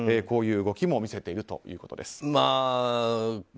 こういう動きも見せているということです。